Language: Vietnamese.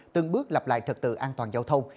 từng bước lập lại trật tự an toàn giao thông